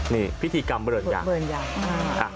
นี่พิธีกรรมเบิร์นยาง